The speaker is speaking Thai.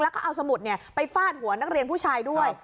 แล้วก็เอาสมุดไปฟาดหัวนักเรียนผู้ชายด้วย